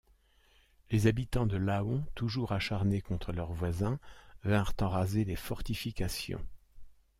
Les habitants de Laon, toujours acharnés contre leurs voisins, vinrent en raser les fortifications.